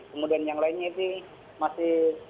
kemudian yang lainnya itu masih